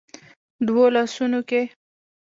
دوو لاسونو کې